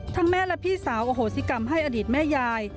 แม่และพี่สาวอโหสิกรรมให้อดีตแม่ยาย